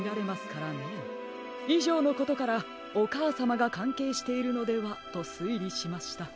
いじょうのことからおかあさまがかんけいしているのではとすいりしました。